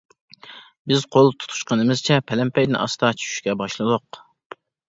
بىز قول تۇتۇشقىنىمىزچە پەلەمپەيدىن ئاستا چۈشۈشكە باشلىدۇق.